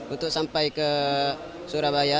untuk sampai ke surabaya